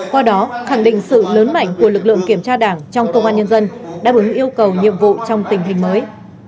qua đó khẳng định sự lớn mảnh của lực lượng kiểm tra đảng trong công an nhân dân đã bứng yêu cầu nhiệm vụ trong tình hình mới